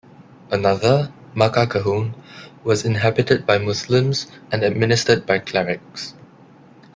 Another, Maka Kahone, was inhabited by Muslims and administered by clerics.